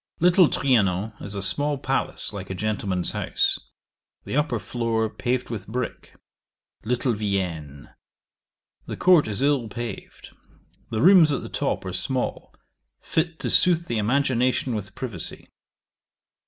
Little Trianon is a small palace like a gentleman's house. The upper floor paved with brick. Little Vienne. The court is ill paved. The rooms at the top are small, fit to sooth the imagination with privacy.